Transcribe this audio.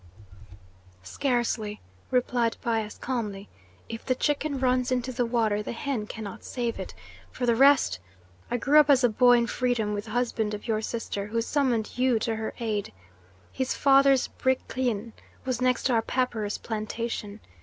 "Scarcely," replied Bias calmly. "If the chicken runs into the water, the hen can not save it. For the rest I grew up as a boy in freedom with the husband of your sister, who summoned you to her aid. His father's brick kiln was next to our papyrus plantation.